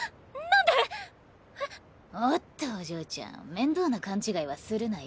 おっとお嬢ちゃん面倒な勘違いはするなよ。